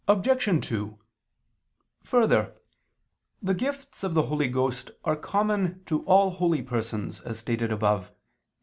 Obj. 2: Further, the gifts of the Holy Ghost are common to all holy persons, as stated above (Q.